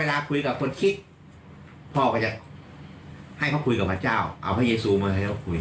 อีกสักครั้งหนึ่ง